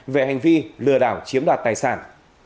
về hành vi lừa đảo chiếm đoạt tài sản